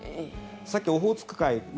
さっきオホーツク海